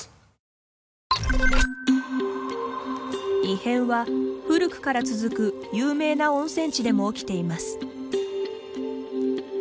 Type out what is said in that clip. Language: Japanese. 異変は、古くから続く有名な温泉地でも起きています。